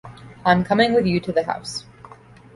I'm coming with you to the house.